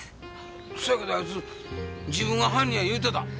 せやけどあいつ自分が犯人や言うてた。